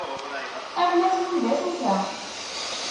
Arma tnuda tufa.